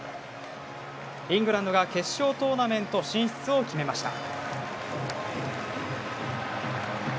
イングランドが決勝トーナメント進出を決めました。